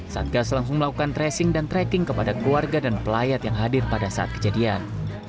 satgas langsung melakukan tracing dan tracking kepada keluarga dan pelayat yang hadir pada saat kejadian